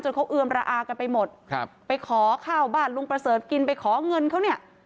เขาเอือมระอากันไปหมดครับไปขอข้าวบ้านลุงประเสริฐกินไปขอเงินเขาเนี่ย